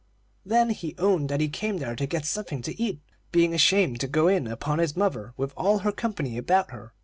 Then he owned that he came there to get something to eat, being ashamed to go in upon his mother with all her company about her.